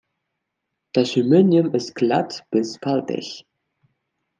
Das Hymenium ist glatt bis faltig.